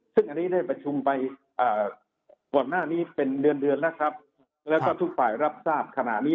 ซึ่งอันนี้ได้ประชุมไปก่อนหน้านี้เป็นเดือนเดือนแล้วครับแล้วก็ทุกฝ่ายรับทราบขณะนี้